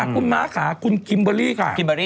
คุณม่าค่ะคุณคิมเบอรี่ค่ะ